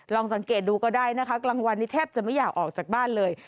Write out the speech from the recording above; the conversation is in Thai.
ลองสังเกตดูก็ได้นะคะกลางวันนี้แทบจะไม่อยากออกจากบ้านเลย